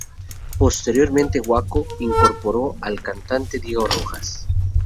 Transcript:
Posteriormente Guaco incorporó al cantante Diego Rojas.